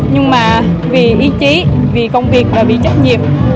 nhưng mà vì ý chí vì công việc vì trách nhiệm